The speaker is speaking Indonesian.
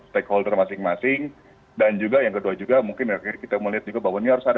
stakeholder masing masing dan juga yang kedua juga mungkin kita melihat juga bahwa ini harus ada